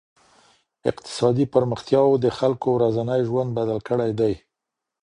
اقتصادي پرمختياوو د خلګو ورځنی ژوند بدل کړی دی.